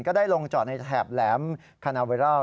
ก็ได้ลงจอดในแถบแหลมคานาเวรัล